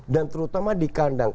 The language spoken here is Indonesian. dan terutama di kandang